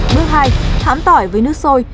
bước hai hãm tỏi với nước sôi